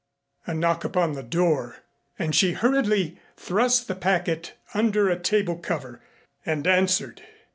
A knock upon the door and she hurriedly thrust the packet under a table cover and answered.